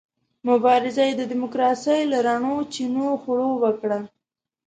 مبارزه یې د ډیموکراسۍ له رڼو چینو خړوبه کړه.